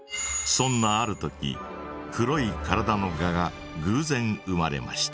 そんなある時黒い体のガがぐうぜん生まれました。